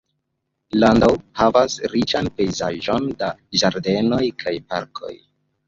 Landau havas riĉan pejzaĝon da ĝardenoj kaj parkoj.